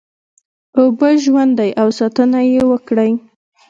اوبه ژوند دی او ساتنه یې وکړی